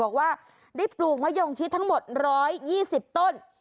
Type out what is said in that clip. บอกว่าได้ปลูกมะยงชิดทั้งหมด๑๒๐ต้น